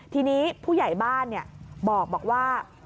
ทีนี้ผู้ใหญ่บ้านบอกว่า